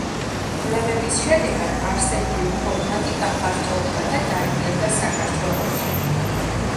კვლევების შედეგად, არსებული ფორმატი გაფართოვდა და დაინერგა საქართველოში.